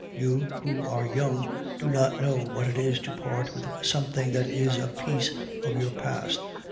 You, who are young, do not know what it is to part with something that is a piece of your past!